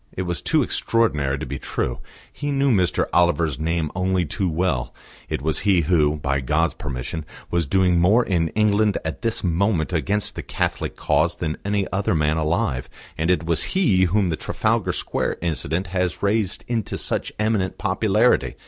It was too extraordinary to be true. He knew Mr. Oliver Brand's name only too well; it was he who, by God's permission, was doing more in England at this moment against the Catholic cause than any other man alive; and it was he whom the Trafalgar Square incident had raised into such eminent popularity.